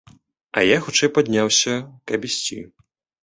Я хутчэй падняўся, каб ісці.